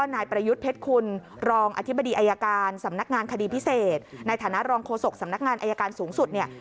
ในคดีพิเศษในฐานะรองโฆษกสำนักงานอายการสูงสุดเนี่ย